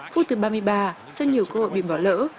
phút từ ba mươi ba sân nhiều cơ hội bị bỏ lỡ